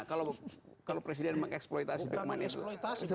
kalau presiden mengeksploitasi backman itu